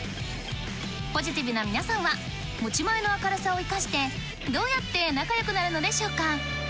ポジティブな皆さんは持ちまえの明るさを活かしてどうやって仲良くなるのでしょうか？